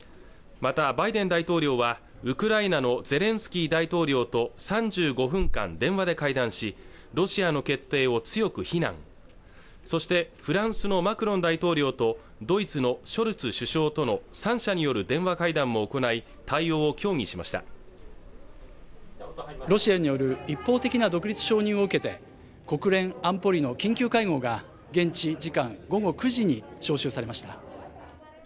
またバイデン大統領はウクライナのゼレンスキー大統領と３５分間電話で会談しロシアの決定を強く非難そしてフランスのマクロン大統領とドイツのショルツ首相との３者による電話会談も行い対応を協議しましたロシアによる一方的な独立承認を受けて国連安保理の緊急会合が現地時間午後９時に招集されました